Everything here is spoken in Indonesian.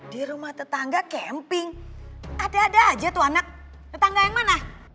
di rumah tetangga camping ada ada aja tuh anak tetangga yang mana